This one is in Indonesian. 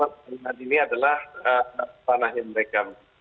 yang tadi ini adalah rana hendrik